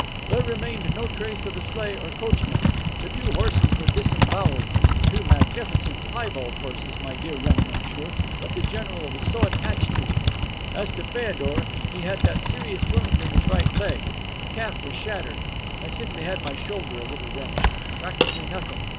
There remained no trace of sleigh or coachman; the two horses were disemboweled, two magnificent piebald horses, my dear young monsieur, that the general was so attached to. As to Feodor, he had that serious wound in his right leg; the calf was shattered. I simply had my shoulder a little wrenched, practically nothing.